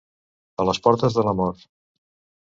A les portes de la mort.